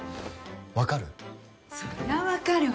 分かる？